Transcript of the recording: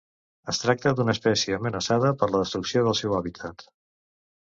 Es tracta d'una espècie amenaçada per la destrucció del seu hàbitat.